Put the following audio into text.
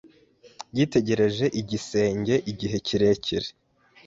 Yitegereje igisenge igihe kirekire.